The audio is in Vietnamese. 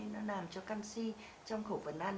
nó làm cho canxi trong khẩu phần ăn